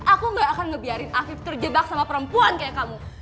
aku gak akan ngebiarin afif terjebak sama perempuan kayak kamu